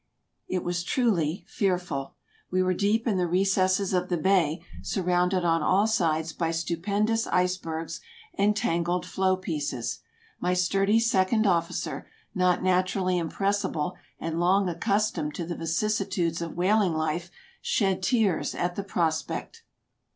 It 166 TRAVELERS AND EXPLORERS was truly fearful ; we were deep in the recesses of the bay, surrounded on all sides by stupendous icebergs and tangled floe pieces. My sturdy second officer, not naturally impress ible and long accustomed to the vicissitudes of whaling life, shed tears at the prospect.